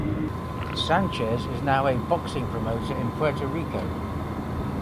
Sanchez is now a boxing promoter in Puerto Rico.